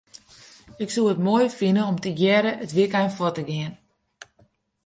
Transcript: Ik soe it moai fine om tegearre in wykein fuort te gean.